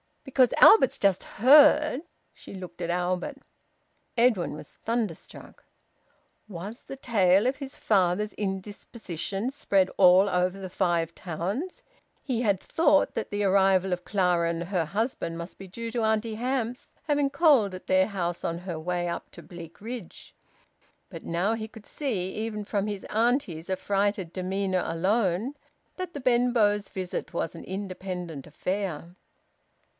"Because Albert's just heard " She looked at Albert. Edwin was thunderstruck. Was the tale of his father's indisposition spread all over the Five Towns? He had thought that the arrival of Clara and her husband must be due to Auntie Hamps having called at their house on her way up to Bleakridge. But now he could see, even from his auntie's affrighted demeanour alone, that the Benbows' visit was an independent affair.